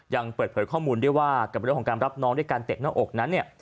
ยังเปิดเผยข้อมูลด้วยว่ากับเรื่องของการรับน้องด้วยการเตะหน้าอกนั้นเนี่ย